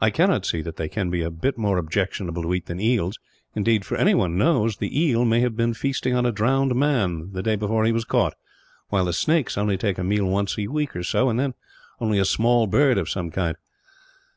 I cannot see that they can be a bit more objectionable to eat than eels; indeed, for anything one knows, the eel may have been feasting on a drowned man, the day before he was caught; while the snakes only take a meal once a week or so, and then only a small bird of some kind."